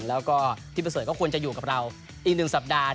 แล้วก็พี่ประเสริฐก็ควรจะอยู่กับเราอีก๑สัปดาห์